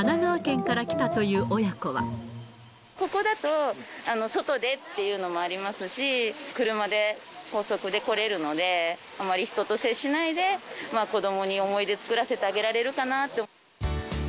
ここだと、外でっていうのもありますし、車で高速で来れるので、あまり人と接しないで、子どもに思い出作らせてあげられるかなと。